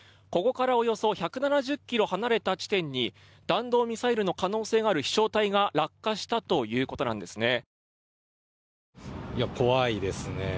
ここからおよそ１７０ｋｍ離れた地点に弾道ミサイルの可能性がある飛翔体が落下したということです。